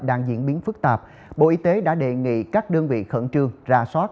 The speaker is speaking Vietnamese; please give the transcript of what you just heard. đang diễn biến phức tạp bộ y tế đã đề nghị các đơn vị khẩn trương ra soát